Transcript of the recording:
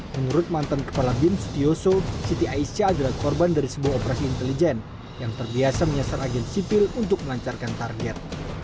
menurut mantan kepala bin sutioso siti aisyah adalah korban dari sebuah operasi intelijen yang terbiasa menyasar agen sipil untuk melancarkan target